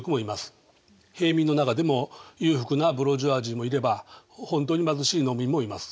平民の中でも裕福なブルジョワジーもいれば本当に貧しい農民もいます。